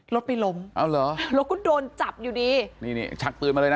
รถไปล้มรถก็โดนจับอยู่ดีนี่ฉักปืนมาเลยนะ